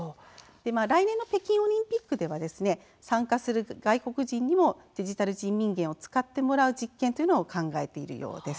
来年の北京オリンピックでは参加する外国人にもデジタル人民元を使ってもらう実験を考えているようです。